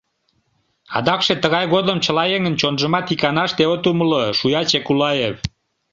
— Адакше тыгай годым чыла еҥын чонжымат иканаште от умыло, — шуя Чекулаев.